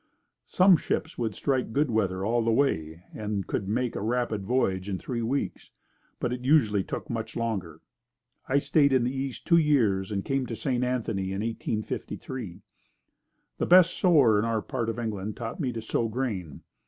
Some ships would strike good weather all the way and then could make a rapid voyage in three weeks, but usually it took much longer. I stayed in the east two years and came to St. Anthony in 1853. The best sower in our part of England taught me to sow grain.